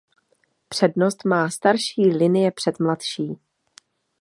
Přednost má starší linie před mladší.